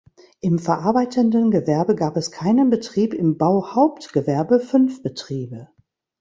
Im verarbeitenden Gewerbe gab es keinen Betrieb, im Bauhauptgewerbe fünf Betriebe.